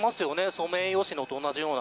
ソメイヨシノと同じような。